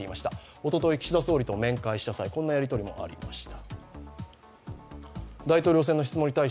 おととい岸田総理と面会した際、こんなやり取りもありました。